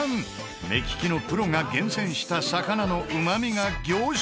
目利きのプロが厳選した魚のうまみが凝縮。